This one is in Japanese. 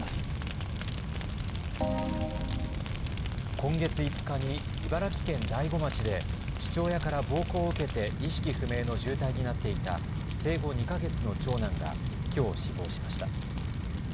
今月５日に茨城県大子町で父親から暴行を受けて意識不明の重体になっていた生後２か月の長男が、きょう死亡しました。